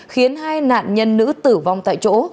khiến hai nạn nhân nữ tử vong tại chỗ